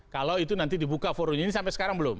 kalau itu nanti dibuka forumnya ini sampai sekarang belum